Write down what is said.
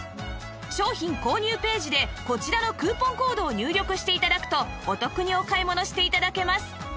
商品購入ページでこちらのクーポンコードを入力して頂くとお得にお買い物して頂けます